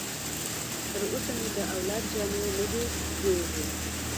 تر اوسه مې د اولاد جامې نه دي جوړې.